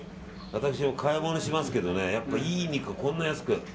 私、買い物しますけどねいい肉をこんな安く。